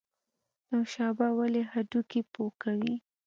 نوشابه ولې هډوکي پوکوي؟